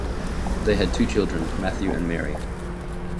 They had two children, Matthew and Mary.